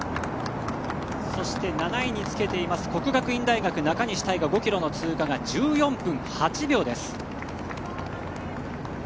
そして、７位につけている國學院大學中西大翔が５ｋｍの通過が１４分８秒です。